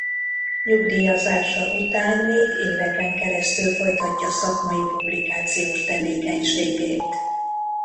Nyugdíjazása után még éveken keresztül folytatja szakmai publikációs tevékenységét.